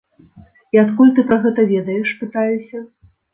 І адкуль ты пра гэта ведаеш, пытаюся.